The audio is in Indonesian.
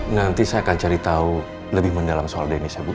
nanti saya akan cari tahu lebih mendalam soal denisa bu